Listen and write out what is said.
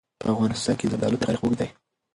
په افغانستان کې د زردالو تاریخ اوږد دی.